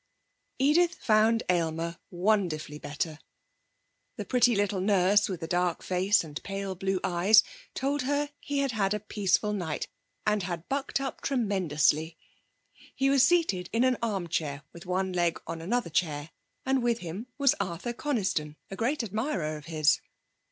Edith found Aylmer wonderfully better. The pretty little nurse with the dark face and pale blue eyes told her he had had a peaceful night and had bucked up tremendously. He was seated in an arm chair with one leg on another chair, and with him was Arthur Coniston, a great admirer of his.